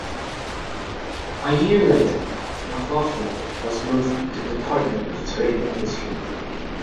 A year later, McLoughlin was moved to the Department of Trade and Industry.